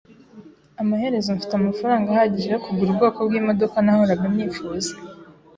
Amaherezo mfite amafaranga ahagije yo kugura ubwoko bwimodoka nahoraga nifuza.